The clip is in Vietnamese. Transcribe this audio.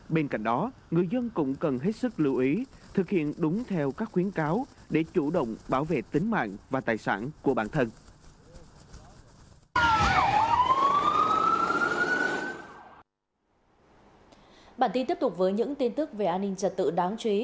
bên cạnh đó người dân cũng cần hết sức lưu ý thực hiện đúng theo các khuyến cáo để chủ động bảo vệ tính mạng và tài sản của bản thân